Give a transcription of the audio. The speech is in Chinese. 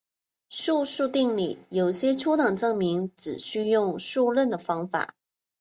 素数定理有些初等证明只需用数论的方法。